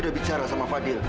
dia bicara sama fadil